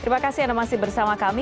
terima kasih anda masih bersama kami